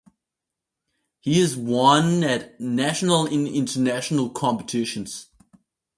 He has won prizes at national and international competitions.